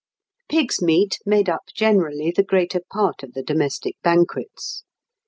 ] Pigs' meat made up generally the greater part of the domestic banquets.